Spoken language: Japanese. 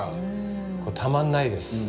これたまんないです。